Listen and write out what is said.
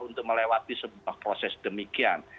untuk melewati sebuah proses demikian